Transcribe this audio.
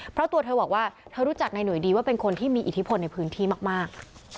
เพราะตัวเธอบอกว่าเธอรู้จักนายห่วยดีว่าเป็นคนที่มีอิทธิพลในพื้นที่มาก